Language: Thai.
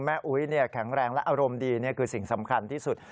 อุ๊ยแข็งแรงและอารมณ์ดีนี่คือสิ่งสำคัญที่สุด